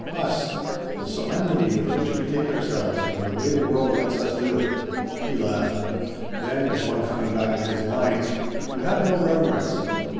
"Us. The solemnity with which we take ourselves and the way the world lets us do it." He laughed. Then, as one coming back to his lines: "You have no reverence."